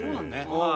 はい。